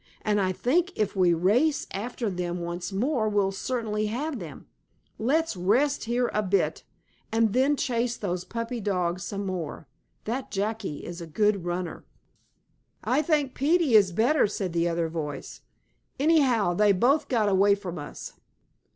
"And I think if we race after them once more we'll certainly have them. Let's rest here a bit, and then chase those puppy dogs some more. That Jackie is a good runner." "I think Peetie is better," said the other voice. "Anyhow, they both got away from us."